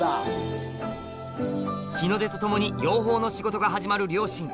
日の出とともに養蜂の仕事が始まる両親